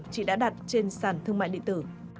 chị đã đặt trên sản thương mại điện tử